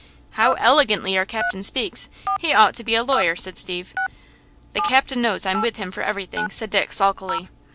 "How elegantly our captain speaks! He ought to be a lawyer," said Steve. "The captain knows I'm with him for everything," said Dick, sulkily.